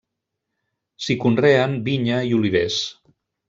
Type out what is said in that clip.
S'hi conreen vinya i olivers.